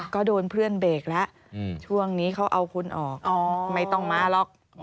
ก็โดนเพื่อนเบรกแล้วช่วงนี้เขาเอาคนออกไม่ต้องมาหรอก